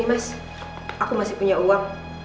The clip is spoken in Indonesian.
mas aku masih punya uang